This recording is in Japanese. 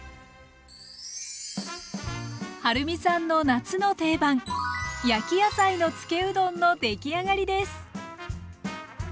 はるみさんの夏の定番焼き野菜のつけうどんのできあがりです。